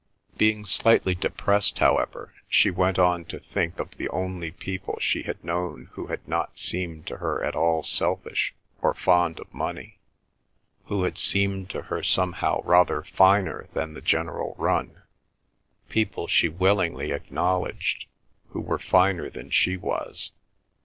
Being slightly depressed, however, she went on to think of the only people she had known who had not seemed to her at all selfish or fond of money, who had seemed to her somehow rather finer than the general run; people she willingly acknowledged, who were finer than she was.